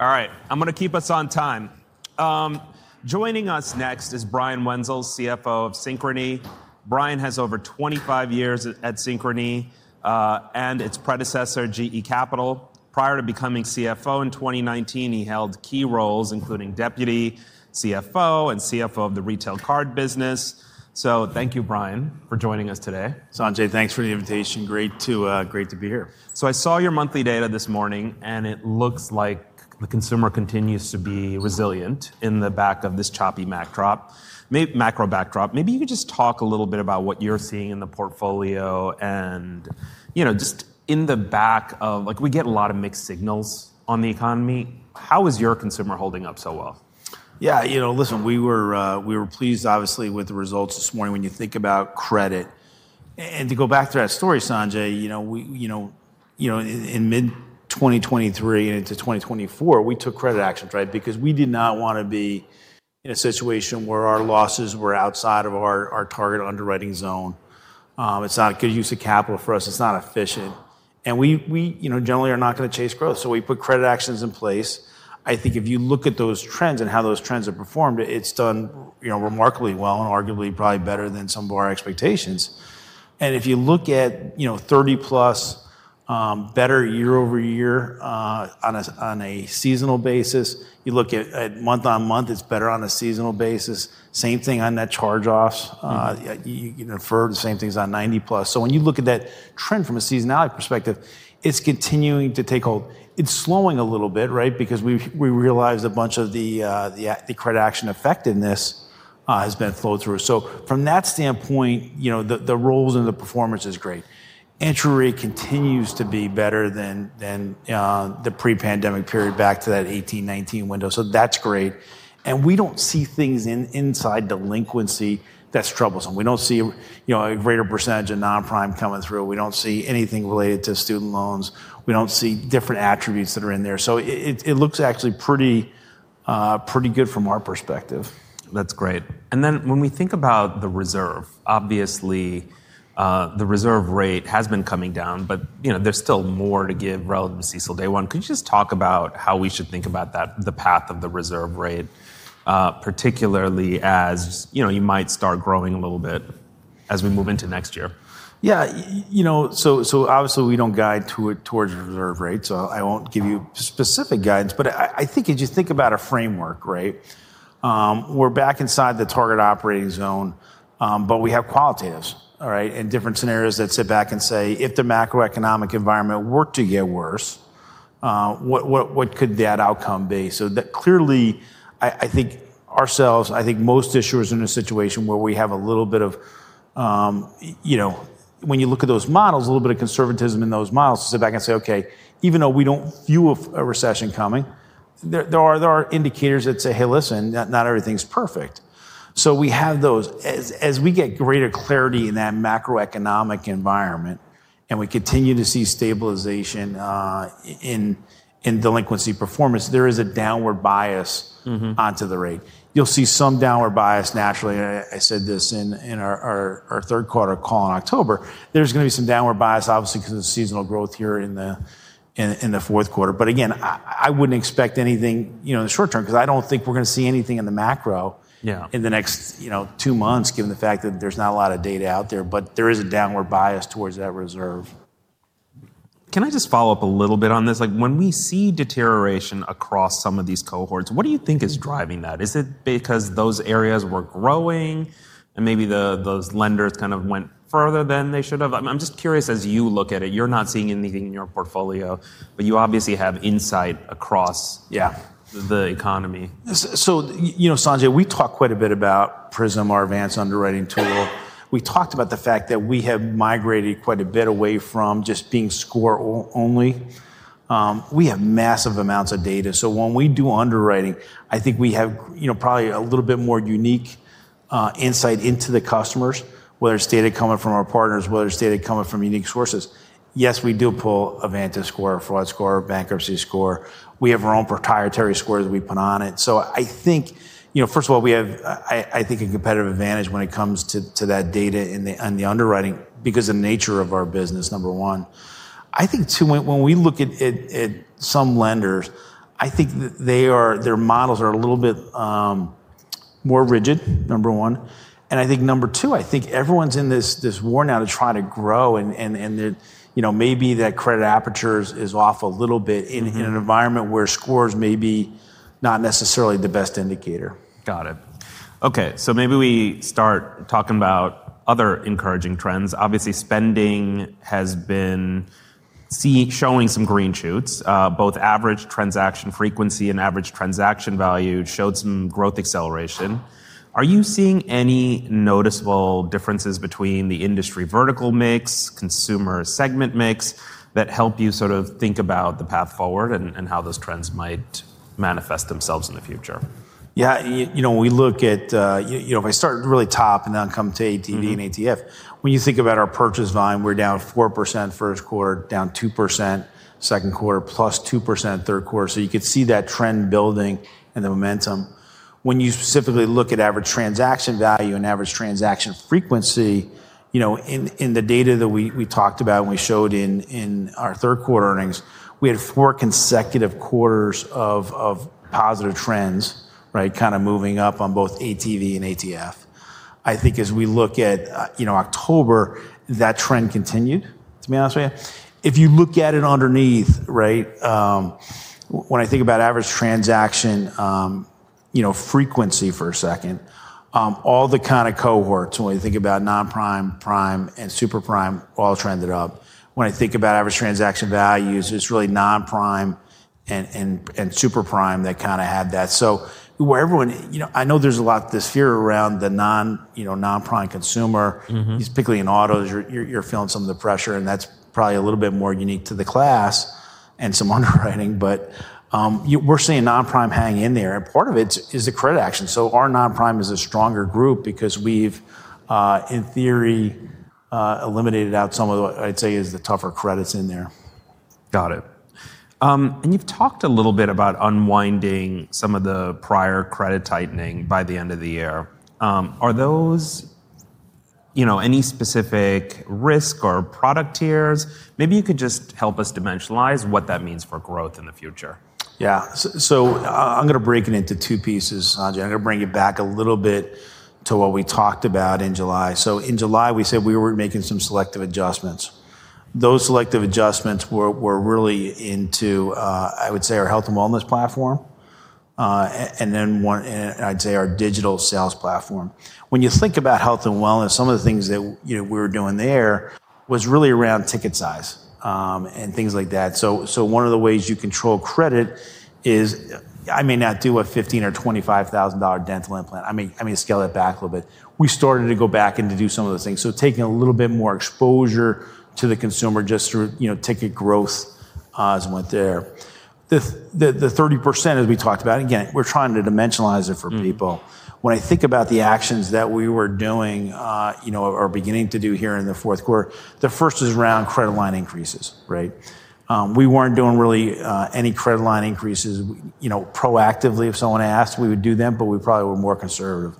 All right, I'm going to keep us on time. Joining us next is Brian Wenzel, CFO of Synchrony. Brian has over 25 years at Synchrony and its predecessor, GE Capital. Prior to becoming CFO in 2019, he held key roles, including Deputy CFO and CFO of the retail card business. So thank you, Brian, for joining us today. Sanjay, thanks for the invitation. Great to be here. I saw your monthly data this morning, and it looks like the consumer continues to be resilient in the back of this choppy macro backdrop. Maybe you could just talk a little bit about what you're seeing in the portfolio and just in the back of, like, we get a lot of mixed signals on the economy. How is your consumer holding up so well? Yeah, you know, listen, we were pleased, obviously, with the results this morning when you think about credit. And to go back to that story, Sanjay, you know, in mid-2023 and into 2024, we took credit actions, right? Because we did not want to be in a situation where our losses were outside of our target underwriting zone. It's not a good use of capital for us. It's not efficient. And we generally are not going to chase growth. So we put credit actions in place. I think if you look at those trends and how those trends have performed, it's done remarkably well and arguably probably better than some of our expectations. And if you look at 30-Plus better year over year on a seasonal basis, you look at month-on-month, it's better on a seasonal basis. Same thing on net charge-offs. You can infer the same things on 90-Plus. When you look at that trend from a seasonality perspective, it's continuing to take hold. It's slowing a little bit, right? Because we realized a bunch of the credit action effectiveness has been flowed through. From that standpoint, the roles and the performance is great. Interest rate continues to be better than the pre-pandemic period back to that 2018-2019 window. That's great. We don't see things inside delinquency that's troublesome. We don't see a greater percentage of non-prime coming through. We don't see anything related to student loans. We don't see different attributes that are in there. It looks actually pretty good from our perspective. That's great. When we think about the reserve, obviously, the reserve rate has been coming down, but there's still more to give relative to CECL Day One. Could you just talk about how we should think about the path of the reserve rate, particularly as you might start growing a little bit as we move into next year? Yeah, you know, obviously we do not guide towards reserve rates. I will not give you specific guidance. I think as you think about a framework, right, we are back inside the target operating zone, but we have qualitatives, right, and different scenarios that sit back and say, if the macroeconomic environment were to get worse, what could that outcome be? Clearly, I think ourselves, I think most issuers are in a situation where we have a little bit of, you know, when you look at those models, a little bit of conservatism in those models to sit back and say, OK, even though we do not view a recession coming, there are indicators that say, hey, listen, not everything is perfect. We have those. As we get greater clarity in that macroeconomic environment and we continue to see stabilization in delinquency performance, there is a downward bias onto the rate. You'll see some downward bias naturally. I said this in our third quarter call in October. There is going to be some downward bias, obviously, because of seasonal growth here in the fourth quarter. Again, I would not expect anything in the short term because I do not think we are going to see anything in the macro in the next two months, given the fact that there is not a lot of data out there. There is a downward bias towards that reserve. Can I just follow up a little bit on this? When we see deterioration across some of these cohorts, what do you think is driving that? Is it because those areas were growing and maybe those lenders kind of went further than they should have? I'm just curious, as you look at it, you're not seeing anything in your portfolio, but you obviously have insight across, yeah, the economy. Sanjay, we talk quite a bit about Prism, our advanced underwriting tool. We talked about the fact that we have migrated quite a bit away from just being score only. We have massive amounts of data. When we do underwriting, I think we have probably a little bit more unique insight into the customers, whether it is data coming from our partners, whether it is data coming from unique sources. Yes, we do pull a VantageScore, a fraud score, a bankruptcy score. We have our own proprietary score that we put on it. I think, first of all, we have, I think, a competitive advantage when it comes to that data and the underwriting because of the nature of our business, number one. I think, too, when we look at some lenders, I think their models are a little bit more rigid, number one. I think, number two, I think everyone's in this war now to try to grow, and maybe that credit aperture is off a little bit in an environment where scores may be not necessarily the best indicator. Got it. OK, so maybe we start talking about other encouraging trends. Obviously, spending has been showing some green shoots. Both average transaction frequency and average transaction value showed some growth acceleration. Are you seeing any noticeable differences between the industry vertical mix, consumer segment mix that help you sort of think about the path forward and how those trends might manifest themselves in the future? Yeah, you know, we look at, you know, if I start really top and then come to ATV and ATF, when you think about our purchase volume, we're down 4% first quarter, down 2% second quarter, plus 2% third quarter. You could see that trend building and the momentum. When you specifically look at average transaction value and average transaction frequency, you know, in the data that we talked about and we showed in our third quarter earnings, we had four consecutive quarters of positive trends, right, kind of moving up on both ATV and ATF. I think as we look at October, that trend continued, to be honest with you. If you look at it underneath, right, when I think about average transaction frequency for a second, all the kind of cohorts, when you think about non-prime, prime, and super prime, all trended up. When I think about average transaction values, it's really non-prime and super prime that kind of had that. You know, I know there's a lot of this fear around the non-prime consumer, particularly in autos, you're feeling some of the pressure, and that's probably a little bit more unique to the class and some underwriting. We're seeing non-prime hang in there, and part of it is the credit action. Our non-prime is a stronger group because we've, in theory, eliminated out some of the, I'd say, is the tougher credits in there. Got it. You have talked a little bit about unwinding some of the prior credit tightening by the end of the year. Are those, you know, any specific risk or product tiers? Maybe you could just help us dimensionalize what that means for growth in the future. Yeah, so I'm going to break it into two pieces, Sanjay. I'm going to bring it back a little bit to what we talked about in July. In July, we said we were making some selective adjustments. Those selective adjustments were really into, I would say, our health and wellness platform, and then, I'd say, our digital sales platform. When you think about health and wellness, some of the things that we were doing there was really around ticket size and things like that. One of the ways you control credit is, I may not do a $15,000 or $25,000 dental implant. I may scale it back a little bit. We started to go back and to do some of those things. Taking a little bit more exposure to the consumer just through ticket growth as we went there. The 30%, as we talked about, again, we're trying to dimensionalize it for people. When I think about the actions that we were doing or beginning to do here in the fourth quarter, the first is around credit line increases, right? We weren't doing really any credit line increases proactively. If someone asked, we would do them, but we probably were more conservative.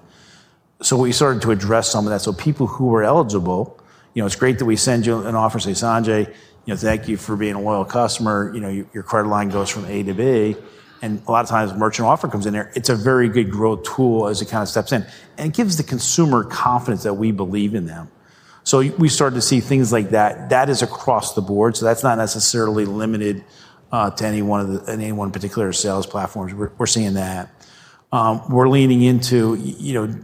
We started to address some of that. People who are eligible, it's great that we send you an offer and say, Sanjay, thank you for being a loyal customer. Your credit line goes from A to B. A lot of times, merchant offer comes in there. It's a very good growth tool as it kind of steps in. It gives the consumer confidence that we believe in them. We started to see things like that. That is across the board. That's not necessarily limited to any one particular sales platforms. We're seeing that. We're leaning into,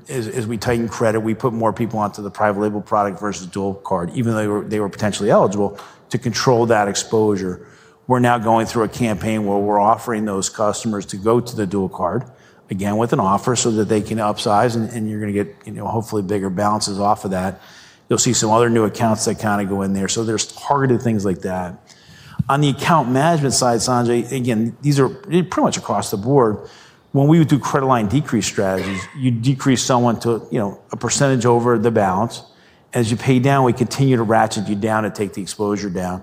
as we tighten credit, we put more people onto the private label product versus dual card, even though they were potentially eligible, to control that exposure. We're now going through a campaign where we're offering those customers to go to the dual card, again, with an offer so that they can upsize, and you're going to get, hopefully, bigger balances off of that. You'll see some other new accounts that kind of go in there. There's targeted things like that. On the account management side, Sanjay, again, these are pretty much across the board. When we would do credit line decrease strategies, you'd decrease someone to a percentage over the balance. As you pay down, we continue to ratchet you down and take the exposure down.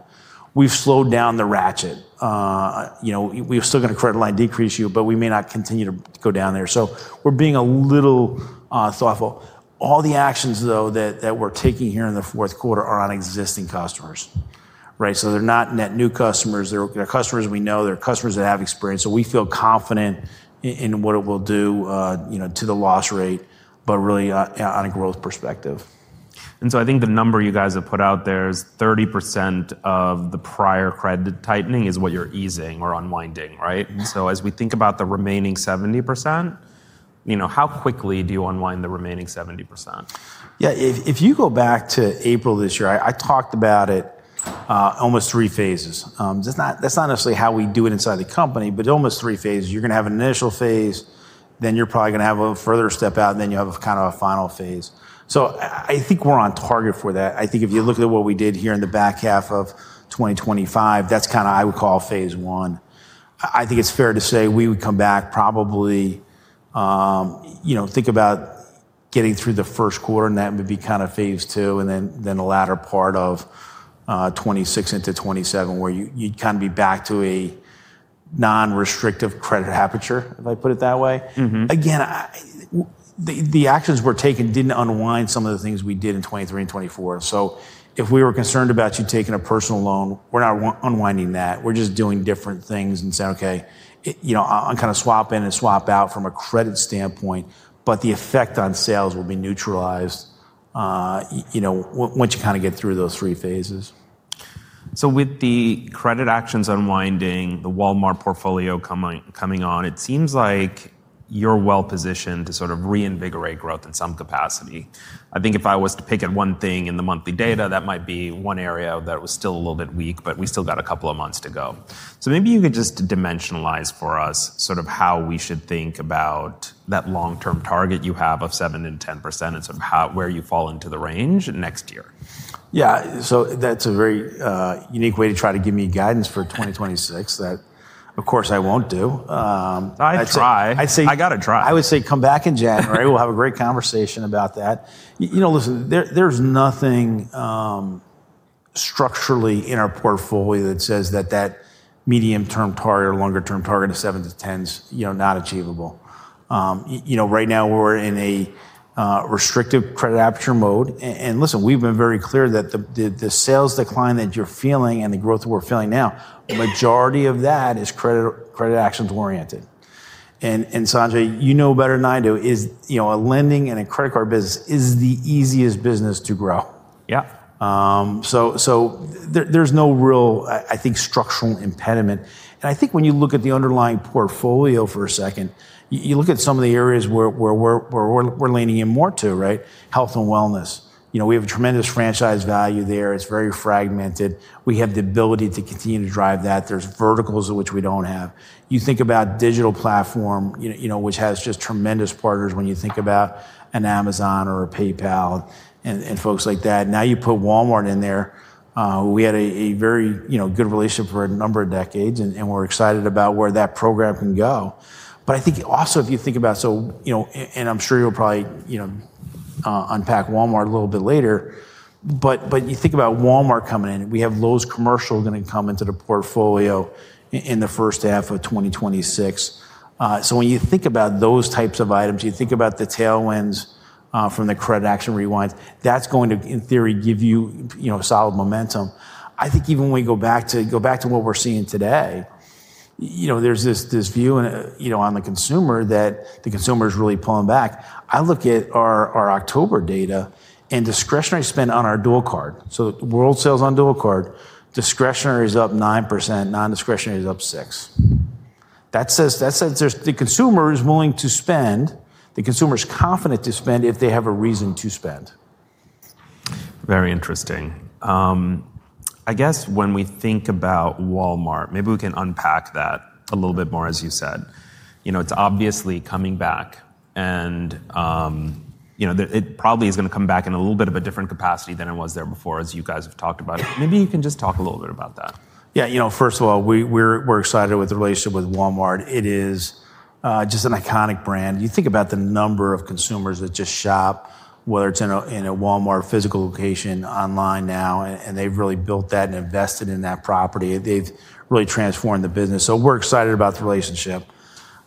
We've slowed down the ratchet. We're still going to credit line decrease you, but we may not continue to go down there. We're being a little thoughtful. All the actions, though, that we're taking here in the fourth quarter are on existing customers, right? They're not net new customers. They're customers we know. They're customers that have experience. We feel confident in what it will do to the loss rate, but really on a growth perspective. I think the number you guys have put out there is 30% of the prior credit tightening is what you're easing or unwinding, right? As we think about the remaining 70%, how quickly do you unwind the remaining 70%? Yeah, if you go back to April this year, I talked about it almost three phases. That's not necessarily how we do it inside the company, but almost three phases. You're going to have an initial phase, then you're probably going to have a further step out, and then you have kind of a final phase. I think we're on target for that. I think if you look at what we did here in the back half of 2025, that's kind of, I would call, phase one. I think it's fair to say we would come back probably, think about getting through the first quarter, and that would be kind of phase two, and then the latter part of 2026 into 2027, where you'd kind of be back to a non-restrictive credit aperture, if I put it that way. Again, the actions we're taking didn't unwind some of the things we did in 2023 and 2024. If we were concerned about you taking a personal loan, we're not unwinding that. We're just doing different things and saying, OK, I'm kind of swapping and swapping out from a credit standpoint, but the effect on sales will be neutralized once you kind of get through those three phases. With the credit actions unwinding, the Walmart portfolio coming on, it seems like you're well positioned to sort of reinvigorate growth in some capacity. I think if I was to pick at one thing in the monthly data, that might be one area that was still a little bit weak, but we still got a couple of months to go. Maybe you could just dimensionalize for us sort of how we should think about that long-term target you have of 7% and 10% and sort of where you fall into the range next year. Yeah, so that's a very unique way to try to give me guidance for 2026 that, of course, I won't do. I try. I got to try. I would say come back in January. We'll have a great conversation about that. You know, listen, there's nothing structurally in our portfolio that says that that medium-term target or longer-term target of 7%-10% is not achievable. Right now, we're in a restrictive credit aperture mode. Listen, we've been very clear that the sales decline that you're feeling and the growth that we're feeling now, the majority of that is credit actions oriented. Sanjay, you know better than I do, a lending and a credit card business is the easiest business to grow. Yeah, so there's no real, I think, structural impediment. I think when you look at the underlying portfolio for a second, you look at some of the areas where we're leaning in more to, right, health and wellness. We have a tremendous franchise value there. It's very fragmented. We have the ability to continue to drive that. There are verticals of which we do not have. You think about digital platform, which has just tremendous partners when you think about an Amazon or a PayPal and folks like that. Now you put Walmart in there. We had a very good relationship for a number of decades, and we are excited about where that program can go. I think also, if you think about, and I am sure you will probably unpack Walmart a little bit later, you think about Walmart coming in, we have Lowe's commercial going to come into the portfolio in the first half of 2026. When you think about those types of items, you think about the tailwinds from the credit action rewinds, that is going to, in theory, give you solid momentum. I think even when we go back to what we're seeing today, there's this view on the consumer that the consumer is really pulling back. I look at our October data and discretionary spend on our dual card. So world sales on dual card, discretionary is up 9%, non-discretionary is up 6%. That says the consumer is willing to spend. The consumer is confident to spend if they have a reason to spend. Very interesting. I guess when we think about Walmart, maybe we can unpack that a little bit more, as you said. It's obviously coming back, and it probably is going to come back in a little bit of a different capacity than it was there before, as you guys have talked about it. Maybe you can just talk a little bit about that. Yeah, you know, first of all, we're excited with the relationship with Walmart. It is just an iconic brand. You think about the number of consumers that just shop, whether it's in a Walmart physical location, online now, and they've really built that and invested in that property. They've really transformed the business. We're excited about the relationship.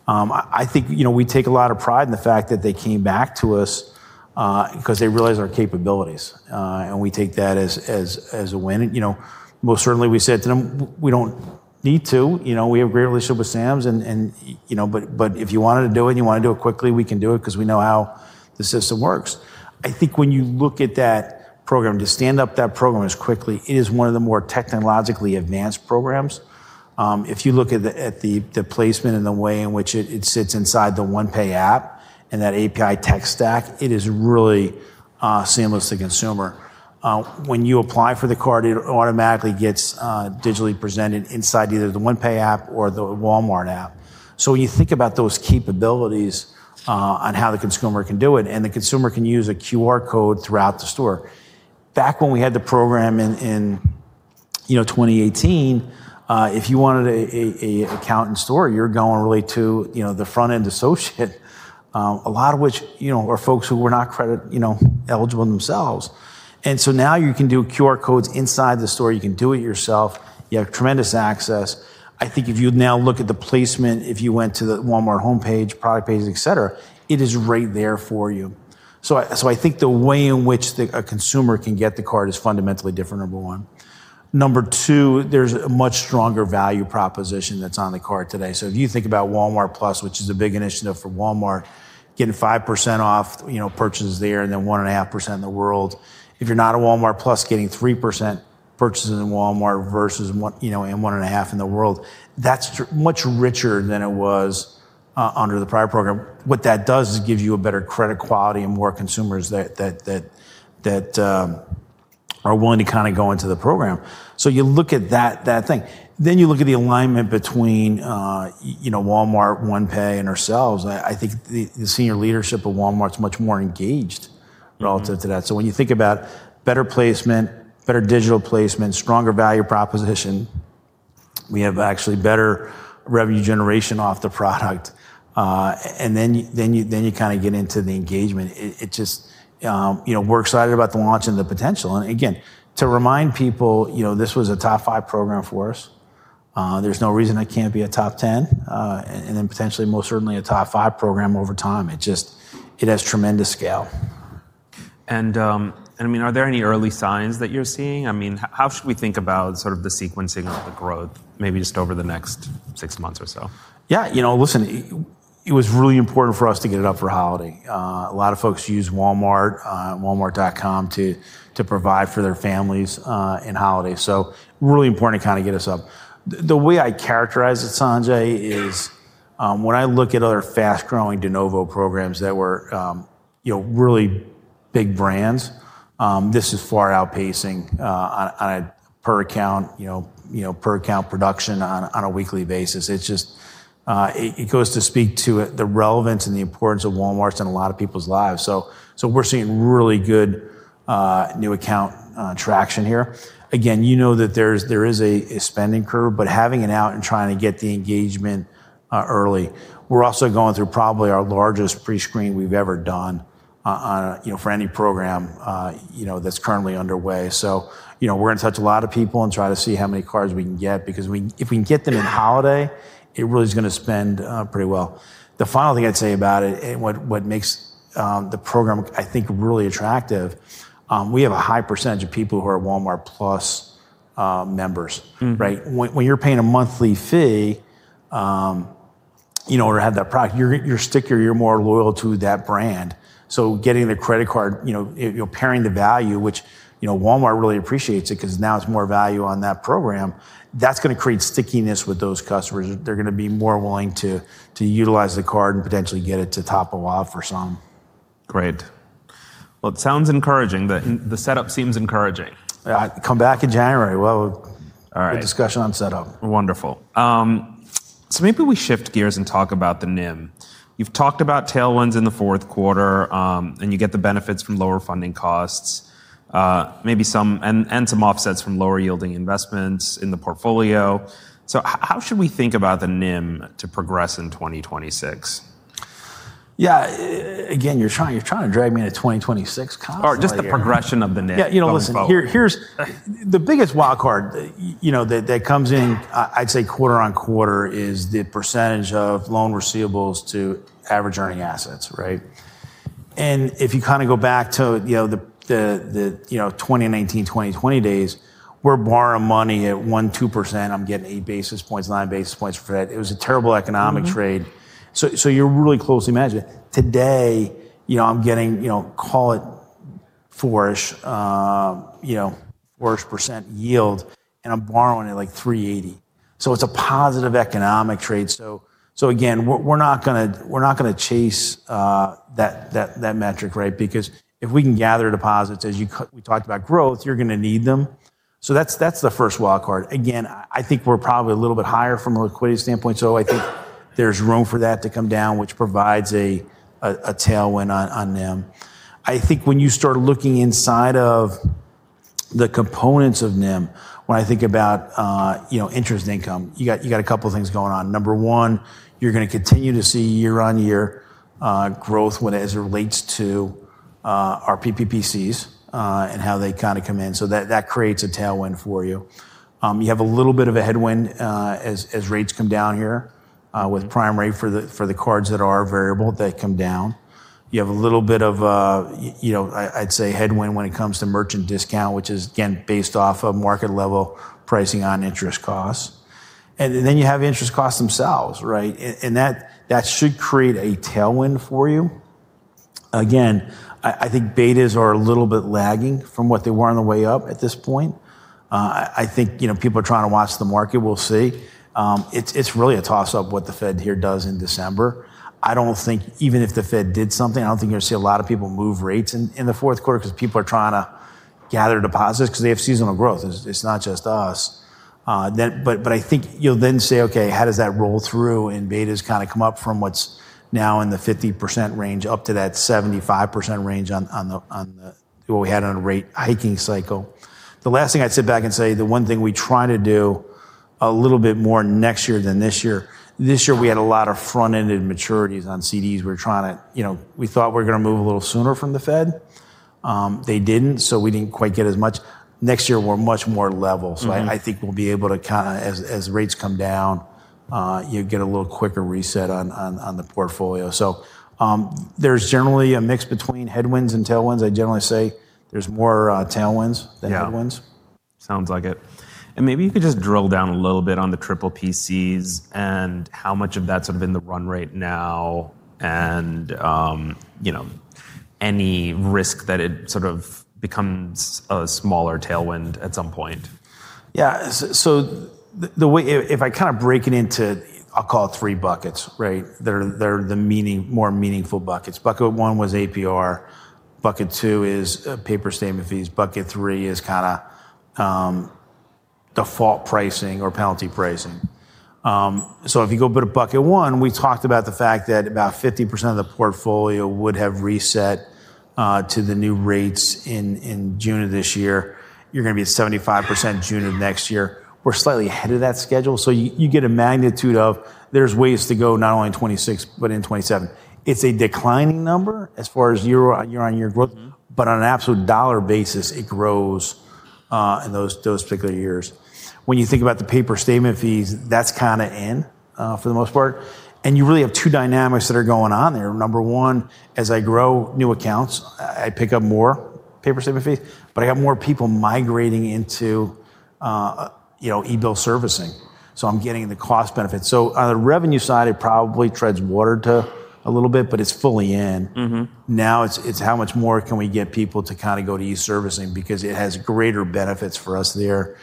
I think we take a lot of pride in the fact that they came back to us because they realize our capabilities, and we take that as a win. Most certainly, we said to them, we don't need to. We have a great relationship with Sam's, but if you wanted to do it and you want to do it quickly, we can do it because we know how the system works. I think when you look at that program, to stand up that program as quickly, it is one of the more technologically advanced programs. If you look at the placement and the way in which it sits inside the OnePay app and that API tech stack, it is really seamless to consumer. When you apply for the card, it automatically gets digitally presented inside either the OnePay app or the Walmart app. When you think about those capabilities on how the consumer can do it, and the consumer can use a QR code throughout the store. Back when we had the program in 2018, if you wanted an account in store, you are going really to the front-end associate, a lot of which are folks who were not credit eligible themselves. Now you can do QR codes inside the store. You can do it yourself. You have tremendous access. I think if you now look at the placement, if you went to the Walmart homepage, product pages, et cetera, it is right there for you. I think the way in which a consumer can get the card is fundamentally different, number one. Number two, there is a much stronger value proposition that is on the card today. If you think about Walmart Plus, which is a big initiative for Walmart, getting 5% off purchases there and then 1.5% in the world. If you are not a Walmart Plus, getting 3% purchases in Walmart versus 1.5% in the world, that is much richer than it was under the prior program. What that does is give you a better credit quality and more consumers that are willing to kind of go into the program. You look at that thing. You look at the alignment between Walmart, OnePay, and ourselves. I think the senior leadership of Walmart is much more engaged relative to that. When you think about better placement, better digital placement, stronger value proposition, we have actually better revenue generation off the product. You kind of get into the engagement. We're excited about the launch and the potential. Again, to remind people, this was a top five program for us. There's no reason it can't be a top 10, and then potentially, most certainly, a top five program over time. It has tremendous scale. I mean, are there any early signs that you're seeing? I mean, how should we think about sort of the sequencing of the growth, maybe just over the next six months or so? Yeah, you know, listen, it was really important for us to get it up for holiday. A lot of folks use Walmart, Walmart.com, to provide for their families in holidays. Really important to kind of get us up. The way I characterize it, Sanjay, is when I look at other fast-growing de novo programs that were really big brands, this is far outpacing per account production on a weekly basis. It goes to speak to the relevance and the importance of Walmart's in a lot of people's lives. We're seeing really good new account traction here. Again, you know that there is a spending curve, but having it out and trying to get the engagement early. We're also going through probably our largest pre-screen we've ever done for any program that's currently underway. We're going to touch a lot of people and try to see how many cards we can get, because if we can get them in holiday, it really is going to spend pretty well. The final thing I'd say about it, what makes the program, I think, really attractive, we have a high percentage of people who are Walmart Plus members. When you're paying a monthly fee or have that product, you're stickier. You're more loyal to that brand. Getting the credit card, pairing the value, which Walmart really appreciates because now it's more value on that program, that's going to create stickiness with those customers. They're going to be more willing to utilize the card and potentially get it to topple off for some. Great. It sounds encouraging. The setup seems encouraging. Come back in January. Good discussion on setup. Wonderful. Maybe we shift gears and talk about the NIM. You've talked about tailwinds in the fourth quarter, and you get the benefits from lower funding costs, and some offsets from lower yielding investments in the portfolio. How should we think about the NIM to progress in 2026? Yeah, again, you're trying to drag me into 2026, Kathryn? Or just the progression of the NIM. Yeah, you know, listen, the biggest wildcard that comes in, I'd say quarter on quarter, is the percentage of loan receivables to average earning assets, right? And if you kind of go back to the 2019, 2020 days, we're borrowing money at 1%, 2%. I'm getting 8 basis points, 9 basis points for that. It was a terrible economic trade. So you're really closely matching it. Today, I'm getting, call it 4% yield. And I'm borrowing at like 380. So it's a positive economic trade. Again, we're not going to chase that metric, right? Because if we can gather deposits, as we talked about growth, you're going to need them. That's the first wildcard. Again, I think we're probably a little bit higher from a liquidity standpoint. I think there's room for that to come down, which provides a tailwind on NIM. I think when you start looking inside of the components of NIM, when I think about interest income, you've got a couple of things going on. Number one, you're going to continue to see year-on-year growth as it relates to our PPPCs and how they kind of come in. That creates a tailwind for you. You have a little bit of a headwind as rates come down here with prime rate for the cards that are variable that come down. You have a little bit of, I'd say, headwind when it comes to merchant discount, which is, again, based off of market-level pricing on interest costs. You have interest costs themselves, right? That should create a tailwind for you. I think betas are a little bit lagging from what they were on the way up at this point. I think people are trying to watch the market. We'll see. It's really a toss-up what the Fed here does in December. I don't think even if the Fed did something, I don't think you're going to see a lot of people move rates in the fourth quarter because people are trying to gather deposits because they have seasonal growth. It's not just us. I think you'll then say, okay, how does that roll through in betas kind of come up from what's now in the 50% range up to that 75% range on what we had on a rate hiking cycle? The last thing I'd sit back and say, the one thing we try to do a little bit more next year than this year, this year we had a lot of front-ended maturities on CDs. We're trying to, we thought we were going to move a little sooner from the Fed. They didn't, so we didn't quite get as much. Next year, we're much more level. I think we'll be able to kind of, as rates come down, get a little quicker reset on the portfolio. There's generally a mix between headwinds and tailwinds. I generally say there's more tailwinds than headwinds. Sounds like it. Maybe you could just drill down a little bit on the triple PCs and how much of that's sort of in the run right now and any risk that it sort of becomes a smaller tailwind at some point. Yeah, so if I kind of break it into, I'll call it three buckets, right? They're the more meaningful buckets. Bucket one was APR. Bucket two is paper statement fees. Bucket three is kind of default pricing or penalty pricing. If you go to bucket one, we talked about the fact that about 50% of the portfolio would have reset to the new rates in June of this year. You're going to be at 75% June of next year. We're slightly ahead of that schedule. You get a magnitude of there's ways to go not only in 2026, but in 2027. It's a declining number as far as year-on-year growth, but on an absolute dollar basis, it grows in those particular years. When you think about the paper statement fees, that's kind of in for the most part. You really have two dynamics that are going on there. Number one, as I grow new accounts, I pick up more paper statement fees, but I have more people migrating into e-bill servicing. I'm getting the cost benefits. On the revenue side, it probably treads water a little bit, but it's fully in. Now it's how much more can we get people to kind of go to e-servicing because it has greater benefits for us there.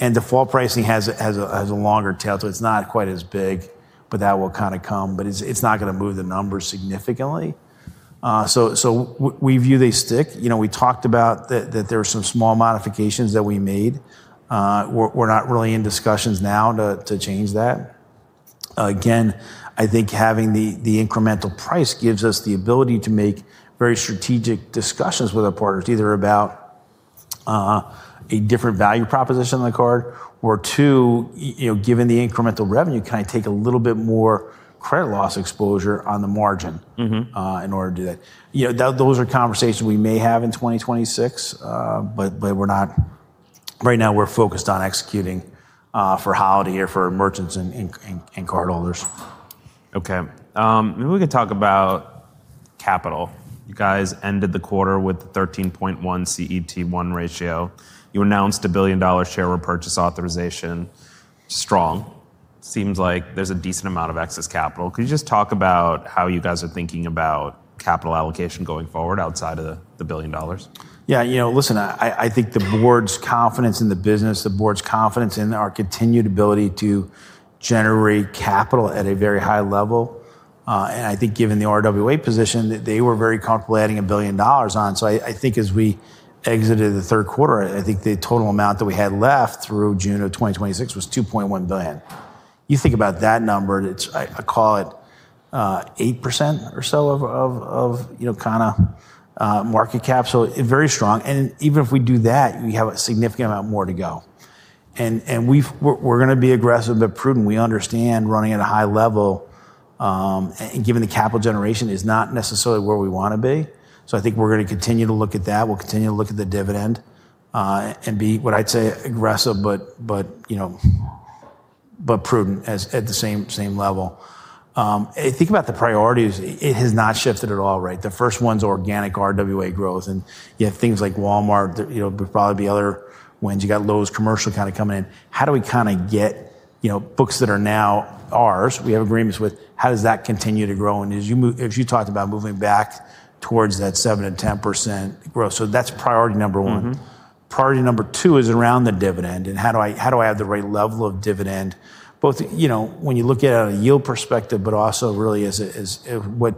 Default pricing has a longer tail, so it's not quite as big, but that will kind of come. It's not going to move the numbers significantly. We view they stick. We talked about that there were some small modifications that we made. We're not really in discussions now to change that. Again, I think having the incremental price gives us the ability to make very strategic discussions with our partners, either about a different value proposition on the card or, two, given the incremental revenue, can I take a little bit more credit loss exposure on the margin in order to do that? Those are conversations we may have in 2026, but right now we're focused on executing for holiday or for merchants and cardholders. Okay. Maybe we can talk about capital. You guys ended the quarter with a 13.1% CET1 Ratio. You announced a $1 billion share purchase authorization. Strong. Seems like there's a decent amount of excess capital. Could you just talk about how you guys are thinking about capital allocation going forward outside of the $1 billion? Yeah, you know, listen, I think the board's confidence in the business, the board's confidence in our continued ability to generate capital at a very high level. I think given the RWA position, they were very comfortable adding a billion dollars on. I think as we exited the third quarter, I think the total amount that we had left through June of 2026 was $2.1 billion. You think about that number, I call it 8% or so of kind of market cap. Very strong. Even if we do that, we have a significant amount more to go. We're going to be aggressive, but prudent. We understand running at a high level and given the capital generation is not necessarily where we want to be. I think we're going to continue to look at that. We'll continue to look at the dividend and be what I'd say aggressive, but prudent at the same level. I think about the priorities. It has not shifted at all, right? The first one's organic RWA growth. You have things like Walmart, there'll probably be other ones. You got Lowe's commercial kind of coming in. How do we kind of get books that are now ours? We have agreements with how does that continue to grow? As you talked about moving back towards that 7%-10% growth. That's priority number one. Priority number two is around the dividend and how do I have the right level of dividend, both when you look at it on a yield perspective, but also really as what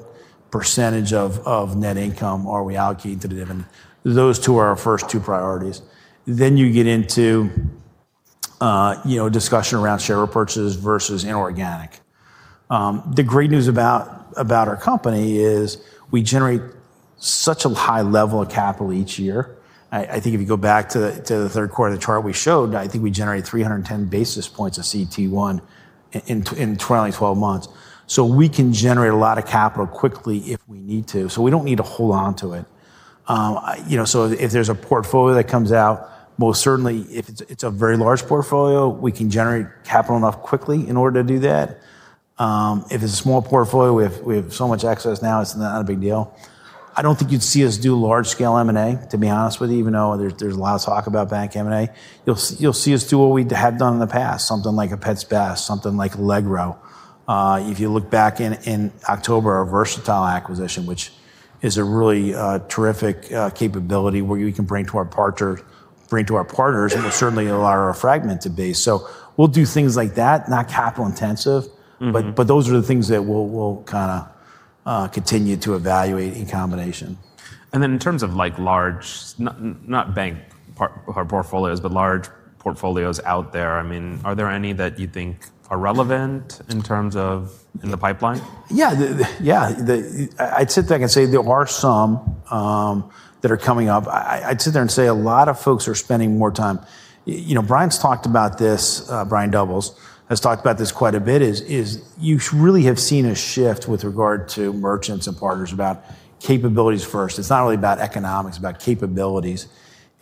percentage of net income are we allocating to the dividend. Those two are our first two priorities. You get into discussion around share purchases versus inorganic. The great news about our company is we generate such a high level of capital each year. I think if you go back to the third quarter of the chart we showed, I think we generated 310 basis points of CET1 in 2012 months. We can generate a lot of capital quickly if we need to. We do not need to hold on to it. If there is a portfolio that comes out, most certainly if it is a very large portfolio, we can generate capital enough quickly in order to do that. If it is a small portfolio, we have so much access now, it is not a big deal. I do not think you would see us do large-scale M&A, to be honest with you, even though there is a lot of talk about bank M&A. You'll see us do what we have done in the past, something like a Pets Best, something like Legro. If you look back in October, our Versatile acquisition, which is a really terrific capability where we can bring to our partners and will certainly allow our fragmented base. We'll do things like that, not capital intensive, but those are the things that we'll kind of continue to evaluate in combination. In terms of like large, not bank portfolios, but large portfolios out there, I mean, are there any that you think are relevant in terms of in the pipeline? Yeah, yeah. I'd sit there and say there are some that are coming up. I'd sit there and say a lot of folks are spending more time. Brian's talked about this. Brian Doubles has talked about this quite a bit. You really have seen a shift with regard to merchants and partners about capabilities first. It's not really about economics, about capabilities.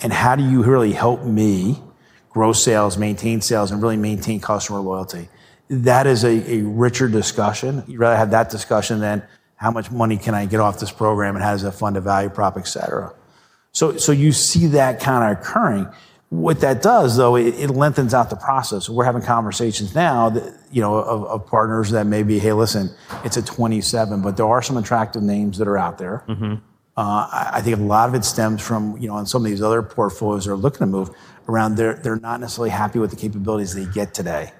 How do you really help me grow sales, maintain sales, and really maintain customer loyalty? That is a richer discussion. You'd rather have that discussion than how much money can I get off this program and how does it fund a value prop, et cetera. You see that kind of occurring. What that does, though, it lengthens out the process. We're having conversations now of partners that may be, hey, listen, it's a 27, but there are some attractive names that are out there. I think a lot of it stems from, you know, on some of these other portfolios that are looking to move around, they're not necessarily happy with the capabilities they get today.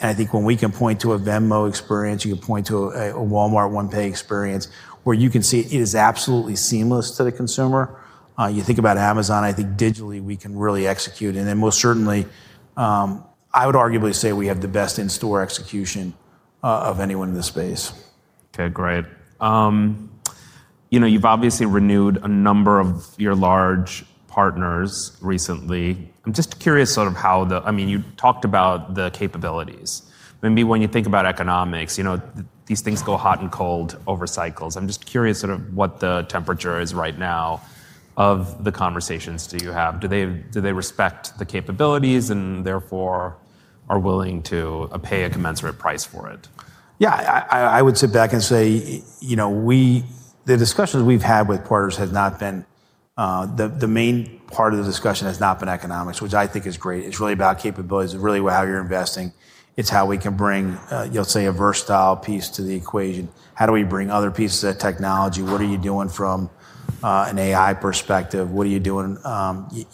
I think when we can point to a Venmo experience, you can point to a Walmart OnePay experience where you can see it is absolutely seamless to the consumer. You think about Amazon, I think digitally we can really execute. I would arguably say we have the best in-store execution of anyone in this space. Okay, great. You've obviously renewed a number of your large partners recently. I'm just curious sort of how the, I mean, you talked about the capabilities. Maybe when you think about economics, you know, these things go hot and cold over cycles. I'm just curious sort of what the temperature is right now of the conversations you have. Do they respect the capabilities and therefore are willing to pay a commensurate price for it? Yeah, I would sit back and say, you know, the discussions we've had with partners have not been, the main part of the discussion has not been economics, which I think is great. It's really about capabilities and really how you're investing. It's how we can bring, you'll say, a versatile piece to the equation. How do we bring other pieces of technology? What are you doing from an AI perspective? What are you doing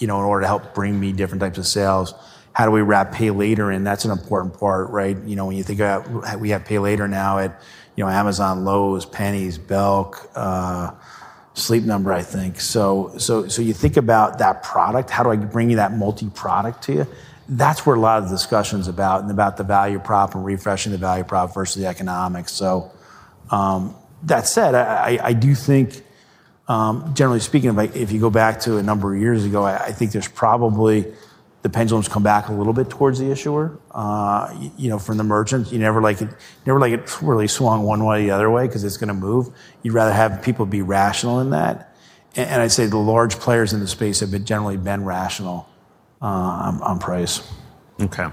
in order to help bring me different types of sales? How do we wrap Pay Later in? That's an important part, right? You know, when you think about we have Pay Later now at Amazon, Lowe's, Penny's, Belk, Sleep Number, I think. So you think about that product, how do I bring you that multi-product to you? That's where a lot of the discussion is about and about the value prop and refreshing the value prop versus the economics. That said, I do think, generally speaking, if you go back to a number of years ago, I think there's probably the pendulum's come back a little bit towards the issuer from the merchants. You never like it really swung one way or the other way because it's going to move. You'd rather have people be rational in that. I'd say the large players in the space have generally been rational on price. Okay.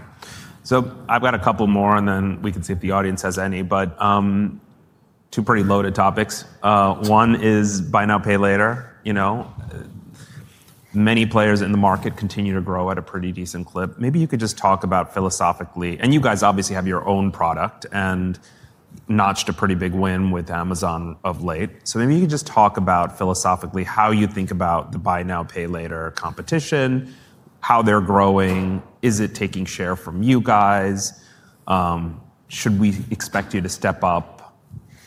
So I've got a couple more and then we can see if the audience has any, but two pretty loaded topics. One is buy now, pay later. Many players in the market continue to grow at a pretty decent clip. Maybe you could just talk about philosophically, and you guys obviously have your own product and notched a pretty big win with Amazon of late. Maybe you could just talk about philosophically how you think about the buy now, pay later competition, how they're growing, is it taking share from you guys? Should we expect you to step up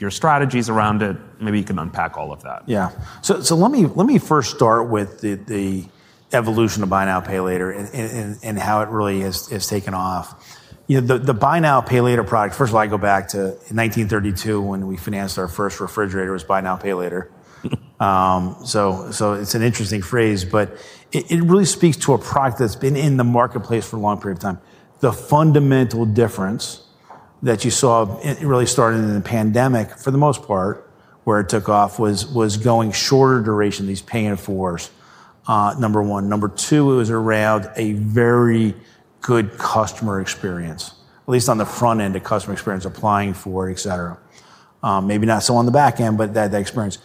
your strategies around it? Maybe you can unpack all of that. Yeah. Let me first start with the evolution of Buy Now Pay Later and how it really has taken off. The Buy Now Pay Later product, first of all, I go back to 1932 when we financed our first refrigerator, was Buy Now Pay Later. It's an interesting phrase, but it really speaks to a product that's been in the marketplace for a long period of time. The fundamental difference that you saw really started in the pandemic for the most part where it took off was going shorter duration, these paying it fors, number one. Number two, it was around a very good customer experience, at least on the front end, a customer experience applying for, et cetera. Maybe not so on the back end, but that experience.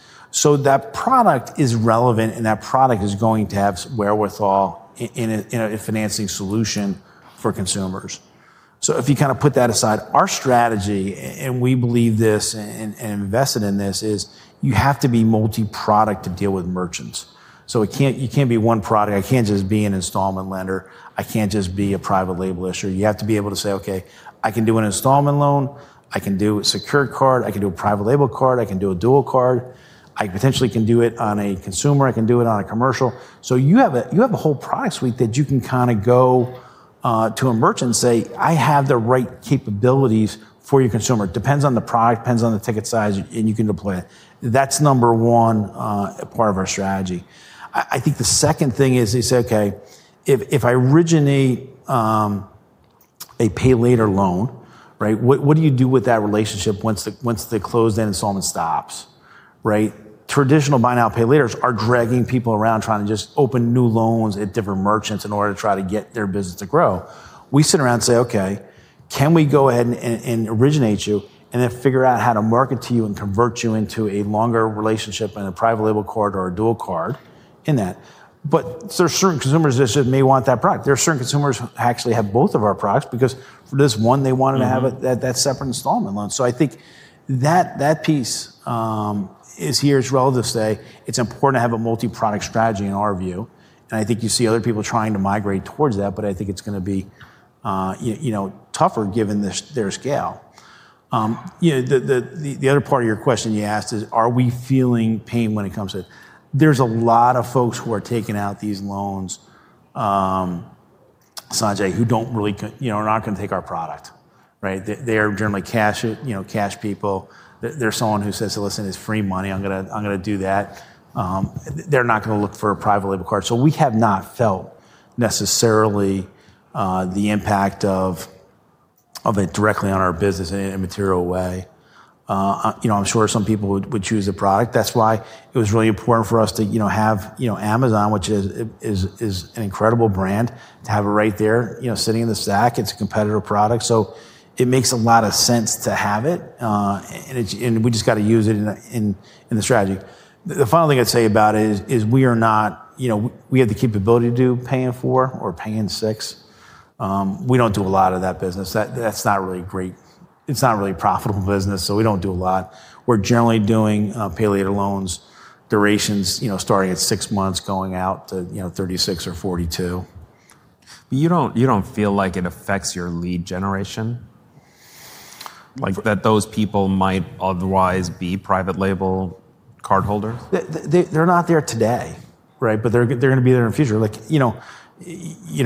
That product is relevant and that product is going to have wherewithal in a financing solution for consumers. If you kind of put that aside, our strategy, and we believe this and invested in this, is you have to be multi-product to deal with merchants. You can't be one product. I can't just be an installment lender. I can't just be a private label issuer. You have to be able to say, okay, I can do an installment loan. I can do a secured card. I can do a private label card. I can do a dual card. I potentially can do it on a consumer. I can do it on a commercial. You have a whole product suite that you can kind of go to a merchant and say, I have the right capabilities for your consumer. Depends on the product, depends on the ticket size, and you can deploy it. That's number one part of our strategy. I think the second thing is they say, okay, if I originate a Pay Later loan, right, what do you do with that relationship once the closed-end installment stops, right? Traditional Buy Now Pay Laters are dragging people around trying to just open new loans at different merchants in order to try to get their business to grow. We sit around and say, okay, can we go ahead and originate you and then figure out how to market to you and convert you into a longer relationship and a Private Label Card or a Dual Card in that? There are certain consumers that just may want that product. There are certain consumers who actually have both of our products because for this one, they wanted to have that separate installment loan. I think that piece is here as relatives say it's important to have a multi-product strategy in our view. I think you see other people trying to migrate towards that, but I think it's going to be tougher given their scale. The other part of your question you asked is, are we feeling pain when it comes to it? There's a lot of folks who are taking out these loans, Sanjay, who don't really, you know, are not going to take our product, right? They are generally cash people. There's someone who says, listen, it's free money. I'm going to do that. They're not going to look for a private label card. We have not felt necessarily the impact of it directly on our business in an immaterial way. You know, I'm sure some people would choose the product. That's why it was really important for us to have Amazon, which is an incredible brand, to have it right there, you know, sitting in the stack. It's a competitive product. It makes a lot of sense to have it. We just got to use it in the strategy. The final thing I'd say about it is we are not, you know, we have the capability to do pay in four or pay in six. We do not do a lot of that business. That's not really great. It's not really profitable business. We do not do a lot. We're generally doing pay later loans, durations, you know, starting at six months, going out to 36 or 42. You don't feel like it affects your lead generation? Like that those people might otherwise be private label cardholders? They're not there today, right? But they're going to be there in the future. Like, you know,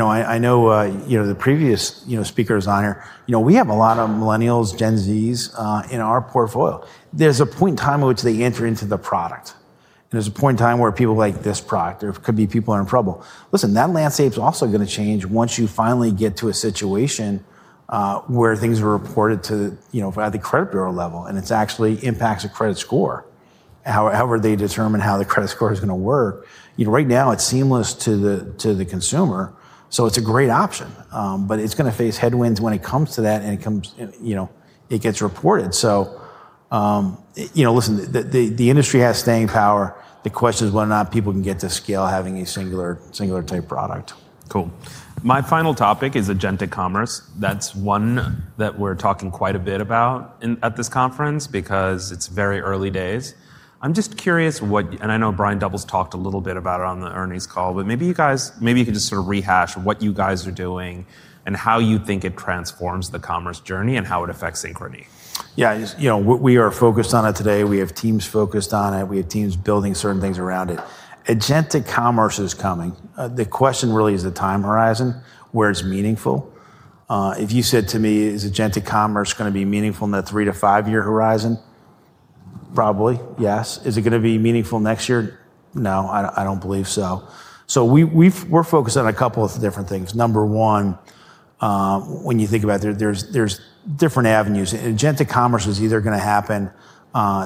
I know the previous speakers on here, you know, we have a lot of millennials, Gen Zs in our portfolio. There's a point in time in which they enter into the product. And there's a point in time where people like this product or could be people in trouble. Listen, that landscape's also going to change once you finally get to a situation where things are reported to, you know, at the credit bureau level and it actually impacts the credit score. However they determine how the credit score is going to work. You know, right now it's seamless to the consumer. So it's a great option. But it's going to face headwinds when it comes to that and it comes, you know, it gets reported. You know, listen, the industry has staying power. The question is whether or not people can get to scale having a singular type product. Cool. My final topic is agentic commerce. That is one that we are talking quite a bit about at this conference because it is very early days. I am just curious what, and I know Brian Doubles talked a little bit about it on the earnings call, but maybe you guys, maybe you can just sort of rehash what you guys are doing and how you think it transforms the commerce journey and how it affects Synchrony. Yeah, you know, we are focused on it today. We have teams focused on it. We have teams building certain things around it. Agentic commerce is coming. The question really is the time horizon where it's meaningful. If you said to me, is agentic commerce going to be meaningful in that three to five year horizon? Probably, yes. Is it going to be meaningful next year? No, I don't believe so. We are focused on a couple of different things. Number one, when you think about it, there's different avenues. Agentic commerce is either going to happen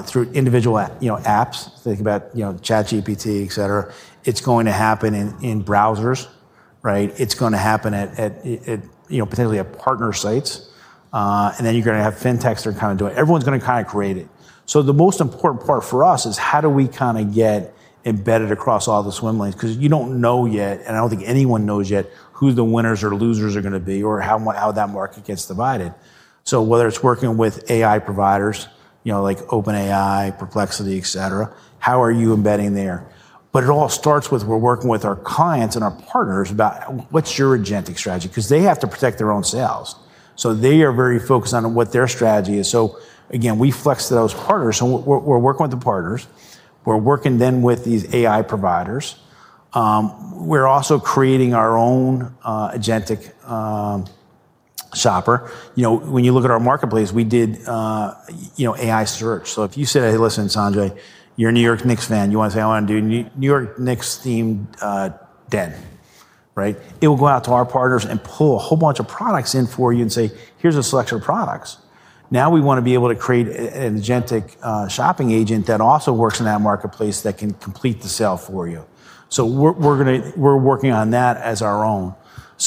through individual apps. Think about ChatGPT, et cetera. It's going to happen in browsers, right? It's going to happen at potentially partner sites. You are going to have fintechs that are kind of doing it. Everyone's going to kind of create it. The most important part for us is how do we kind of get embedded across all the swim lanes? Because you do not know yet, and I do not think anyone knows yet who the winners or losers are going to be or how that market gets divided. Whether it is working with AI providers, you know, like OpenAI, Perplexity, et cetera, how are you embedding there? It all starts with we are working with our clients and our partners about what is your agentic strategy? Because they have to protect their own sales. They are very focused on what their strategy is. Again, we flex to those partners. We are working with the partners. We are working then with these AI providers. We are also creating our own Agentic Shopper. You know, when you look at our marketplace, we did AI search. If you say, listen, Sanjay, you're a New York Knicks fan, you want to say, I want to do New York Knicks themed den, right? It will go out to our partners and pull a whole bunch of products in for you and say, here's a selection of products. Now we want to be able to create an agentic shopping agent that also works in that marketplace that can complete the sale for you. We're working on that as our own.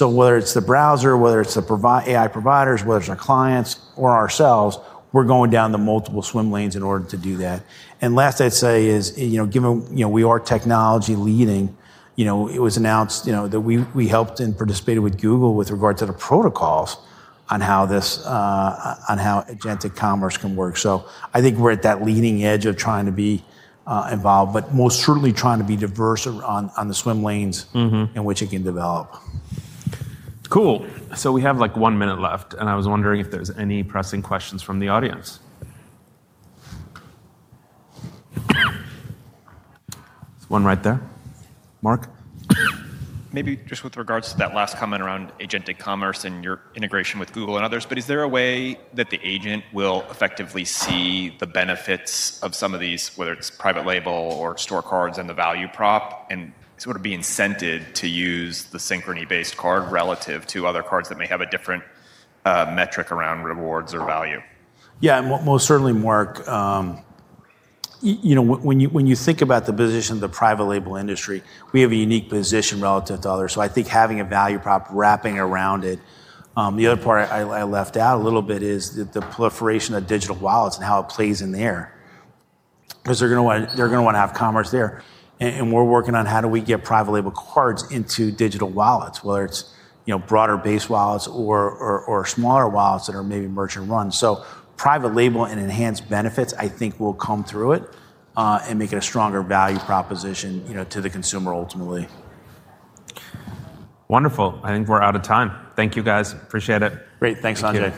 Whether it's the browser, whether it's the AI providers, whether it's our clients or ourselves, we're going down the multiple swim lanes in order to do that. Last I'd say is, you know, given we are technology leading, you know, it was announced that we helped and participated with Google with regards to the protocols on how agentic commerce can work. I think we're at that leading edge of trying to be involved, but most certainly trying to be diverse on the swim lanes in which it can develop. Cool. So we have like one minute left and I was wondering if there's any pressing questions from the audience. There's one right there. Mark? Maybe just with regards to that last comment around agentic commerce and your integration with Google and others, is there a way that the agent will effectively see the benefits of some of these, whether it's private label or store cards and the value prop and sort of be incented to use the Synchrony-based card relative to other cards that may have a different metric around rewards or value? Yeah, and most certainly, Mark, you know, when you think about the position of the private label industry, we have a unique position relative to others. I think having a value prop wrapping around it. The other part I left out a little bit is the proliferation of digital wallets and how it plays in there. Because they're going to want to have commerce there. We're working on how do we get private label cards into digital wallets, whether it's broader-based wallets or smaller wallets that are maybe merchant-run. Private label and enhanced benefits, I think, will come through it and make it a stronger value proposition to the consumer ultimately. Wonderful. I think we're out of time. Thank you guys. Appreciate it. Great. Thanks, Sanjay.